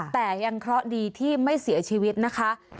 แต่ยังเคราะห์ดีที่ไม่เสียชีวิตนะคะ